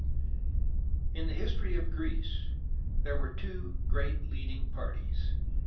IN the history of Greece there were two great leading parties.